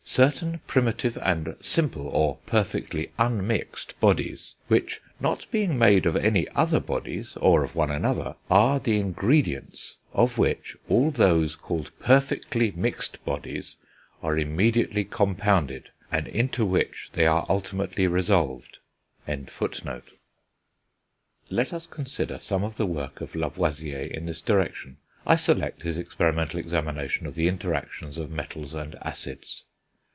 certain primitive and simple, or perfectly unmixed bodies; which not being made of any other bodies, or of one another, are the ingredients of which all those called perfectly mixt bodies are immediately compounded, and into which they are ultimately resolved." Let us consider some of the work of Lavoisier in this direction. I select his experimental examination of the interactions of metals and acids.